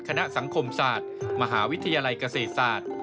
คณะสังคมศาสตร์มหาวิทยาลัยเกษตรศาสตร์